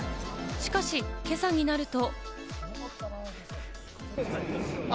しかし今朝になると。